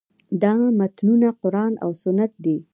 دا متنونه قران او سنت دي.